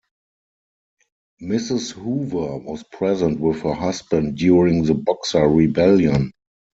Mrs. Hoover was present with her husband during the Boxer Rebellion.